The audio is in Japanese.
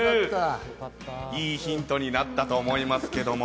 いいヒントになったと思いますけれども。